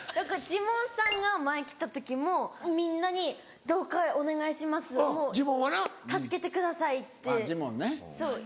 ジモンさんが前来た時もみんなに「どうかお願いします助けてください」って言ったり。